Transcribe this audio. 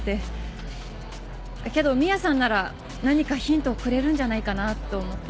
けどミアさんなら何かヒントをくれるんじゃないかなって思って。